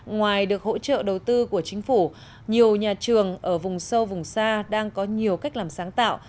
ngoài được hỗ trợ đầu tư của chính phủ nhiều nhà trường ở vùng sâu vùng xa đang có nhiều cách làm sáng tạo